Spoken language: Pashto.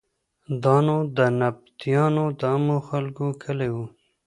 دا نو د نبطیانو د عامو خلکو کلی و.